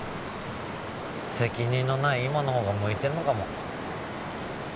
責任のない今のほうが向いてるのかも。